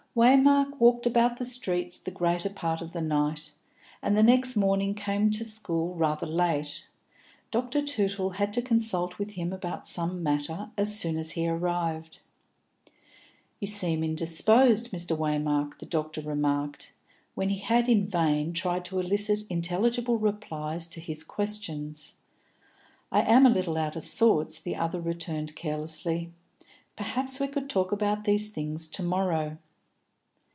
Waymark walked about the streets the greater part of the night, and the next morning came to school rather late. Dr. Tootle had to consult with him about some matter as soon as he arrived. "You seem indisposed, Mr. Waymark," the doctor remarked, when he had in vain tried to elicit intelligible replies to his questions. "I am a little out of sorts," the other returned carelessly. "Perhaps we could talk about these things to morrow."